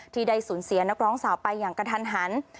ที่ได้สูญเสียนักร้องสาวไปอย่างกระทันหัน